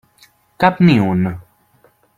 Cap ni un.